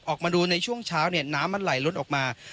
ออกมาดูในช่วงเช้าเนี่ยน้ำมันไหลล้นออกมา